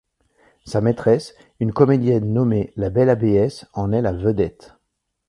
Sa maîtresse, une comédienne nommée la Belle Abbesse, en est la vedette.